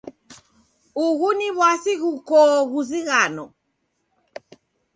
Ughu ni w'asi ghukoo ghuzighano.